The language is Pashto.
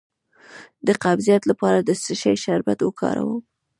د قبضیت لپاره د څه شي شربت وکاروم؟